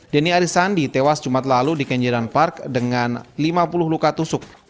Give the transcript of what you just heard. denny arisandi tewas jumat lalu di kenjeran park dengan lima puluh luka tusuk